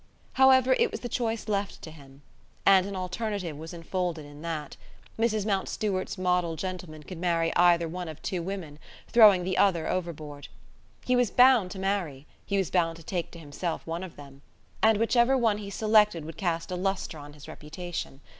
However, it was the choice left to him. And an alternative was enfolded in that. Mrs. Mountstuart's model gentleman could marry either one of two women, throwing the other overboard. He was bound to marry: he was bound to take to himself one of them: and whichever one he selected would cast a lustre on his reputation.